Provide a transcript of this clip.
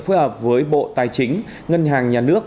phối hợp với bộ tài chính ngân hàng nhà nước